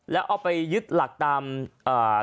แล้วออกไปยึดหลักตามหลักของวัดที่เป็นธรรมายุทธ์